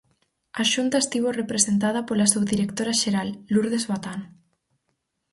A Xunta estivo representada pola subdirectora xeral, Lourdes Batán.